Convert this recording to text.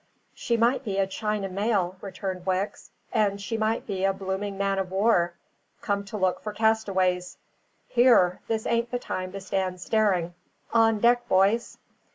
"She might be a China mail," returned Wicks, "and she might be a blooming man of war, come to look for castaways. Here! This ain't the time to stand staring. On deck, boys!"